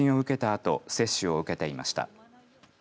あと接種を受けていました。